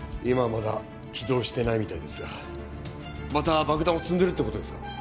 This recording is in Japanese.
今はまだ起動してないみたいですがまた爆弾を積んでるってことですか